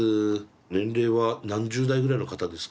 年齢は何十代ぐらいの方ですか？